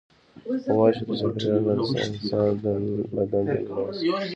غوماشې له چاپېریاله نه د انسان بدن ته ننوځي.